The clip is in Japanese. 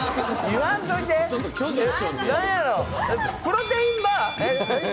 プロテインバー！